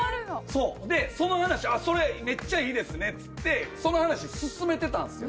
そうでその話それめっちゃいいですねっつってその話進めてたんすよ